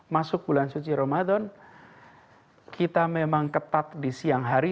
masuk bulan suci ramadan kita memang ketat di siang hari